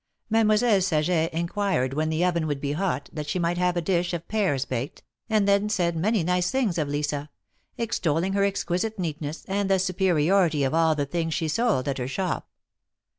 Mademoiselle Saget inquired when the oven would be hot, that she might have a dish of pears baked, and then said many nice things of Lisa — extolling her exquisite neatness and the superiority of all the things she sold at her shop.